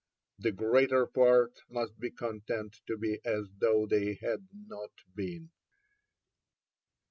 " The greater part must be content to be as though they had not been."